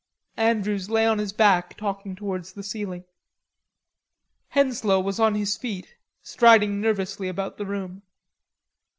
Andrews lay on his back talking towards the ceiling. Henslowe was on his feet, striding nervously about the room.